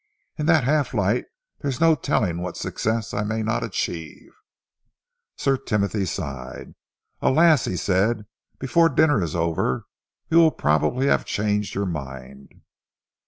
In that half light, there is no telling what success I may not achieve." Sir Timothy sighed. "Alas!" he said, "before dinner is over you will probably have changed your mind."